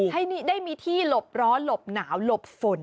ให้ได้มีที่หลบร้อนหลบหนาวหลบฝน